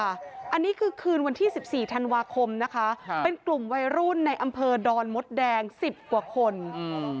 อันนี้คือคืนวันที่สิบสี่ธันวาคมนะคะครับเป็นกลุ่มวัยรุ่นในอำเภอดอนมดแดงสิบกว่าคนอืม